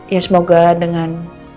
ya semoga dengan